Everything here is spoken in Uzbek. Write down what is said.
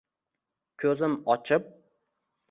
Ko’zim ochib